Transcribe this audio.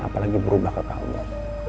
apalagi berubah ke kamu